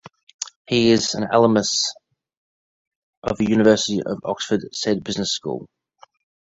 He is an alumnus of University of Oxford Said Business School.